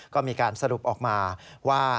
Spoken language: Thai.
ก็มีการสรุปออกมาว่า